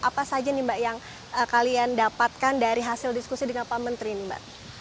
apa saja nih mbak yang kalian dapatkan dari hasil diskusi dengan pak menteri ini mbak